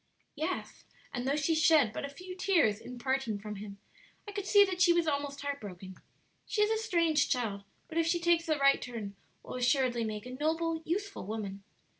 "Yes, and though she shed but few tears in parting from him, I could see that she was almost heart broken. She is a strange child, but if she takes the right turn, will assuredly make a noble, useful woman."